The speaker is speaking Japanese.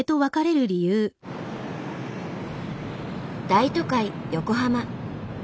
大都会横浜。